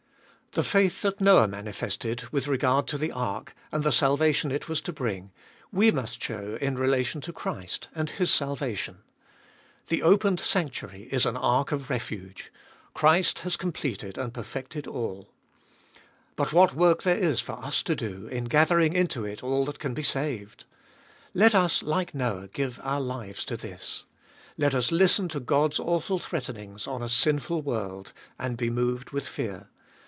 The faith that Noah manifested with regard to the ark, and the salvation it was to bring, we must show in relation to Christ and His salvation. The opened sanctuary is an ark of refuge : Christ has completed and perfected all. But what work there is for us to do, in gathering into it all that can be saved ! Let us, like Noah, give our lives to this. Let us listen to God's awful threatenings on a sinful world, and be moved with fear.